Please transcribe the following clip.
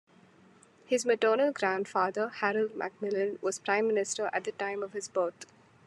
His maternal grandfather Harold Macmillan was Prime Minister at the time of his birth.